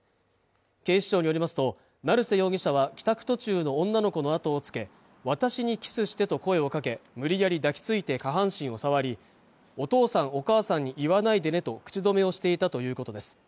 警視庁によりますと成瀬容疑者は帰宅途中の女の子のあとをつけ私にキスしてと声をかけ無理やり抱きついて下半身を触りお父さんお母さんに言わないでねと口止めをしていたということです